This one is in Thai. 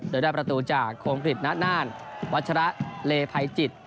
โดยได้ประตูจากโคมกฤษณะน่านวัชระเลภัยจิต